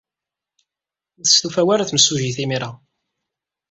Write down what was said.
Ur testufa ara temsujjit imir-a.